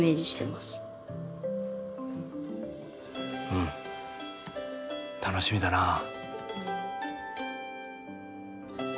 うん楽しみだなあ。